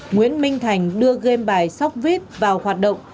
nguyễn minh thành đưa game bài sockvip vào hoạt động